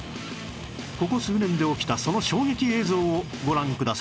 ここ数年で起きたその衝撃映像をご覧ください